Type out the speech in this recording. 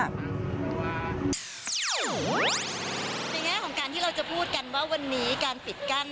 ในแง่ของการที่เราจะพูดกันว่าวันนี้การปิดกั้น